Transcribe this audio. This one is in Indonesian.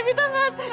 ibi tak ngatau